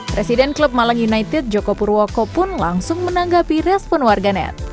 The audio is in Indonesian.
presiden klub malang united joko purwoko pun langsung menanggapi respon warga net